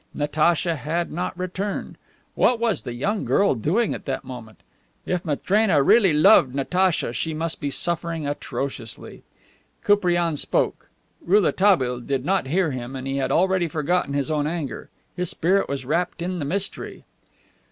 Natacha had not returned. What was the young girl doing at that moment? If Matrena really loved Natacha she must be suffering atrociously. Koupriane spoke; Rouletabille did not hear him, and he had already forgotten his own anger. His spirit was wrapped in the mystery.